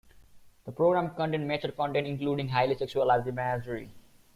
The program contained mature content, including highly sexualized imagery.